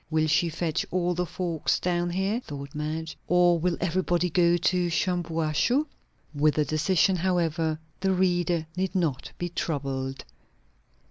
Will she fetch all the folks down here? thought Madge. Or will everybody go to Shampuashuh? With the decision, however, the reader need not be troubled.